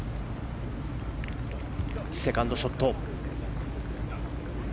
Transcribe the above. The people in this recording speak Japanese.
セカンドショット。